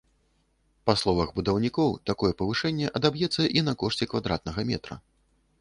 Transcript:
Па словах будаўнікоў, такое павышэнне адаб'ецца і на кошце квадратнага метра.